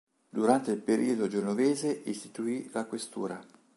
Durante il periodo genovese, istituì la questura.